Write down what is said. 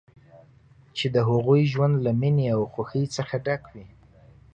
چې د هغوی ژوند له مینې او خوښۍ څخه ډک وي.